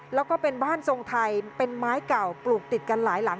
แล้วก็เป็นบ้านทรงไทยเป็นไม้เก่าปลูกติดกันหลายหลัง